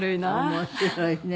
面白いね